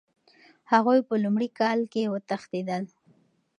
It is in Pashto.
هغوی په لومړي کال کې وتښتېدل.